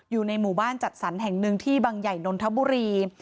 อยู่ในหมู่บ้านจัดสรรแห่งหนึ่งที่บังใหญ่นนทบุรี